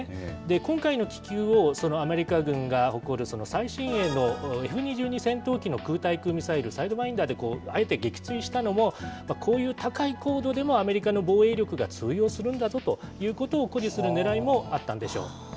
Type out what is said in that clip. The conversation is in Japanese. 今回の気球をそのアメリカ軍が誇る最新鋭のＦ２２戦闘機の空対空ミサイルサイドバインダーであえて撃墜したのも、こういう高い高度でも、アメリカの防衛力が通用するんだぞということを、誇示するねらいもあったんでしょう。